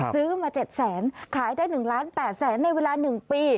ซื้อมา๗แสนขายได้๑ล้าน๘แสนในเวลา๑ปี